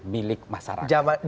jadi milik masyarakat